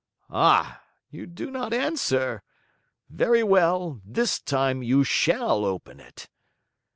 Ah! You do not answer? Very well, this time you shall open it."